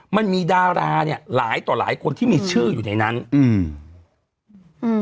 มันมีดาราเนี้ยหลายต่อหลายคนที่มีชื่ออยู่ในนั้นอืมอืม